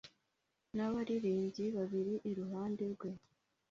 n’abaririmbyi babiri iruhande rwe